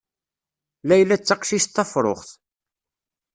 Layla d taqcict tafṛuxt.